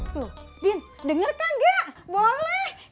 tuh udin denger kagak boleh